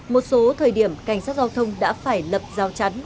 một số thời điểm cảnh sát giao thông đã phải lập giao chắn